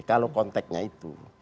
kalau konteksnya itu